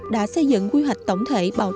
đã xây dựng quy hoạch tổng thể bảo tồn